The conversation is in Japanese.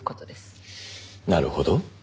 なるほど。